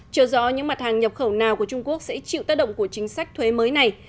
chờ rõ những mặt hàng nhập khẩu nào của trung quốc sẽ chịu tác động của chính sách thuế mới này